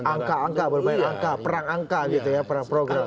angka angka berbanyakan perang angka gitu ya